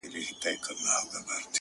لکه ملنگ چي د پاچا تصوير په خوب وويني-